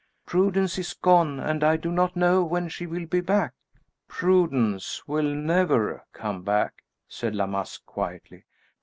"Prudence is gone, and I do not know when she will be back." "Prudence will never come back," said La Masque, quietly.